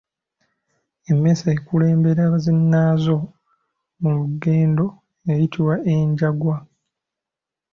Emmese ekulembera zinnaazo mu lugendo eyitibwa Enjangwa.